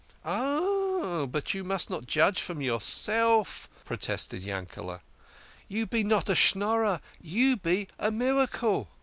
"Oh, but you must not judge from yourself," protested Yankele". "You be not a Schnorrer you be a miracle."